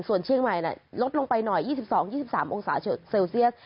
ส่วนเชียงใหม่ลดลงไปหน่อย๒๒๒๓องศาเซลเซียส